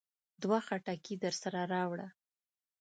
دوه خټکي درسره راوړه.